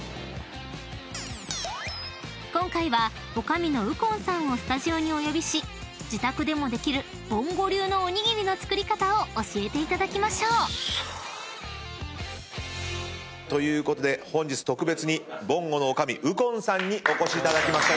［今回は女将の右近さんをスタジオにお呼びし自宅でもできる「ぼんご」流のおにぎりの作り方を教えていただきましょう］ということで本日特別に「ぼんご」の女将右近さんにお越しいただきました。